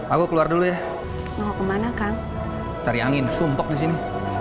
aku keluar dulu ya mau kemana kang tari angin sumpuk di sini